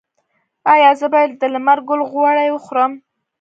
ایا زه باید د لمر ګل غوړي وخورم؟